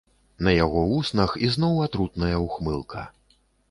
На яго вуснах ізноў атрутная ўхмылка.